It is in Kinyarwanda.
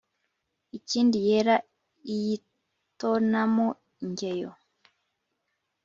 inkindi yera iyitonamo ingeyo